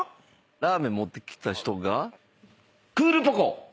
ラーメン持ってきた人が「クールポコ。」